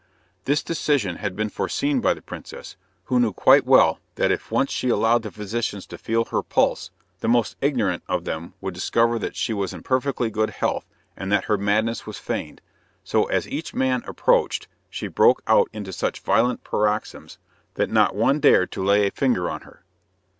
This decision had been foreseen by the princess, who knew quite well that if once she allowed the physicians to feel her pulse, the most ignorant of them would discover that she was in perfectly good health, and that her madness was feigned, so as each man approached, she broke out into such violent paroxysms, that not one dared to lay a finger on her.